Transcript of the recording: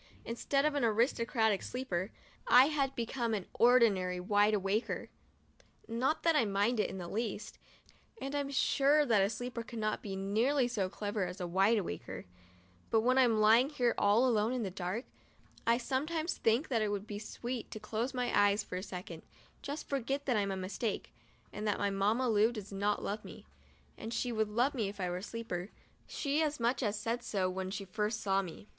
Instead of an "aris tocratic" sleeper, I had become an ordinary "wide awaker" — not that I mind it in the least — and I'm sure that a "sleeper" cannot be nearly so clever as a "wide awaker ;' but when I'm lying here all alone in the dark, I sometimes think that it would be sweet to close my eyes for a second, just to forget that I am a mistake, and that my Mamma Lu does not love me. And she would love me if I were a "sleeper;' she as much as said so when she first saw me.